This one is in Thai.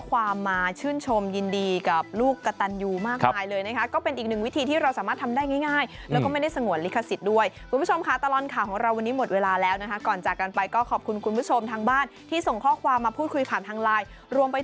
เวลาบ่าย๒ถึงบ่าย๓วันนี้ลาไปก่อนแล้ว